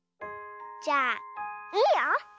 じゃあいいよ。